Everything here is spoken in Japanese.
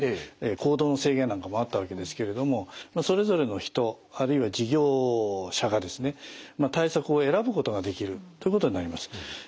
行動の制限なんかもあったわけですけれどもそれぞれの人あるいは事業者がですね対策を選ぶことができるってことになります。